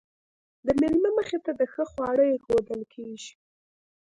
د میلمه مخې ته ښه خواړه ایښودل کیږي.